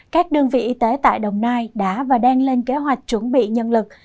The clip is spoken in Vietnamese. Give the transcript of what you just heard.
các đơn vị y tế tại đồng nai đã và đang lên kế hoạch chuẩn bị nhân lực